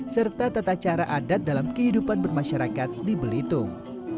serta tata cara adat dalam kehidupan bermasyarakat di belitung